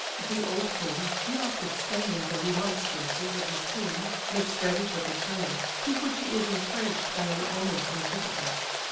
The old king, notwithstanding the remonstrances of his queen, makes ready for the journey, to which he is encouraged by an omen from Jupiter.